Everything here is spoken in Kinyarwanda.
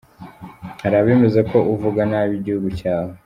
Hari abemeza ko uvuga nabi igihugu cyawe.